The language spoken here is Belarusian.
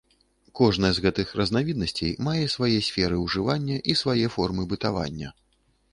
Кожная з гэтых разнавіднасцей мае свае сферы ўжывання і свае формы бытавання.